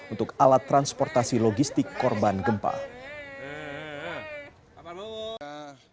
untuk alat transportasi logistik korban gempa